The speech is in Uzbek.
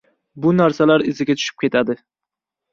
Bu narsalar iziga tushib ketadi.